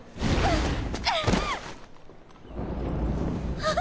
あっ。